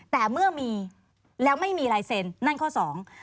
แต่เมื่อมีแล้วไม่มีลายเซ็นนั่นข้อสอง